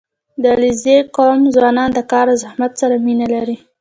• د علیزي قوم ځوانان د کار او زحمت سره مینه لري.